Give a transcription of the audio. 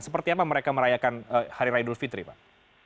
seperti apa mereka merayakan hari raya idul fitri pak